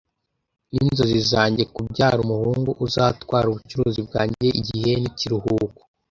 Ninzozi zanjye kubyara umuhungu uzatwara ubucuruzi bwanjye igihe nikiruhuko